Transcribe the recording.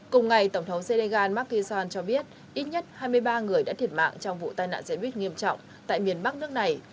cùng ngày tổng thống senegal mark kishan cho biết ít nhất hai mươi ba người đã thiệt mạng trong vụ tai nạn diễn biến nghiêm trọng tại miền bắc nước này